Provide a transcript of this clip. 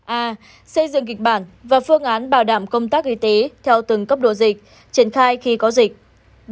a xây dựng kịch bản và phương án bảo đảm công tác y tế theo từng cấp độ dịch triển khai khi có dịch